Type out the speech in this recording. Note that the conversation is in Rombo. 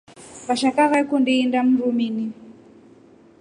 Vashaka vakundi indaa mrumini.